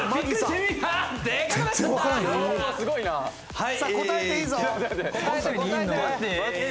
はい。